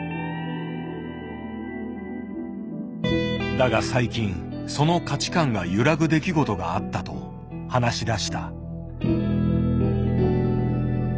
だが最近その価値観が揺らぐ出来事があったと話しだした。